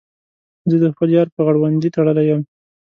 زه د خپل یار په غړوندي تړلی یم.